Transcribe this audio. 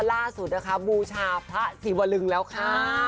ล่าสุดนะคะบูชาพระศิวลึงแล้วค่ะ